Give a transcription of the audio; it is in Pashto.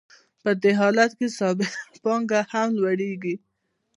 په دې حالت کې ثابته پانګه هم لوړېږي